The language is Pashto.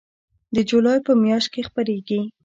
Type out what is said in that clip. د جولای په میاشت کې خپریږي